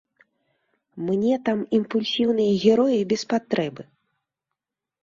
Мне там імпульсіўныя героі без патрэбы.